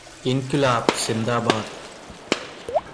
Inquilab Zindabad.